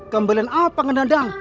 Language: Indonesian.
kembalian apa kang dadang